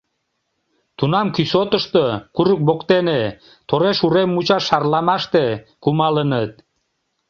Тунам кӱсотышто, курык воктене, тореш урем мучаш шарламаште кумалыныт.